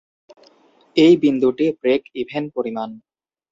এই বিন্দুটি ব্রেক-ইভেন পরিমাণ।